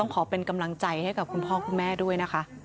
ขอเป็นกำลังใจให้กับคุณพ่อคุณแม่ด้วยนะคะ